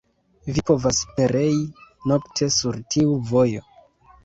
Vi povas perei nokte sur tiu vojo!